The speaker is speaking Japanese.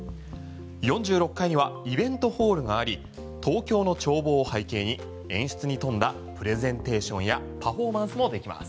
４６階にはイベントホールがあり東京の眺望を背景に演出に富んだプレゼンテーションやパフォーマンスもできます。